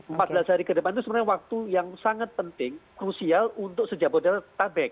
empat belas hari ke depan itu sebenarnya waktu yang sangat penting krusial untuk sejabodetabek